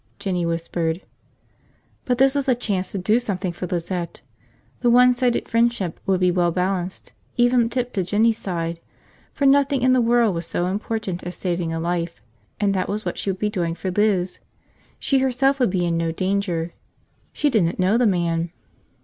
Jinny whispered. But this was a chance to do something for Lizette. The one sided friendship would be well balanced, even tipped to Jinny's side, for nothing in the world was so important as saving a life. And that was what she would be doing for Liz. She herself would be in no danger. She didn't know the man.